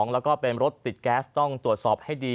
แล้วก็เป็นรถติดแก๊สต้องตรวจสอบให้ดี